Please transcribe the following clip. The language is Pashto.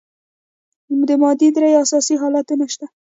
د مادې درې اساسي حالتونه شته.